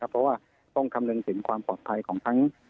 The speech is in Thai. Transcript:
ครับเพราะว่าโล่งคำเนย์ถึงความปอัดภัยของทั้ง